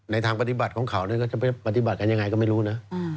ทางปฏิบัติของเขาก็จะไปปฏิบัติกันยังไงก็ไม่รู้นะ